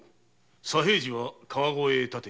左平次は川越へたて。